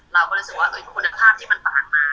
เราก็รู้สึกว่าคุณภาพที่มันต่างมา